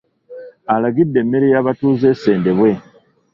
Alagidde emmere y’abatuuze esendebwe.